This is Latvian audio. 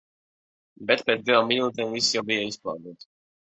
Bet pēc divām minūtēm viss jau bija izpārdots.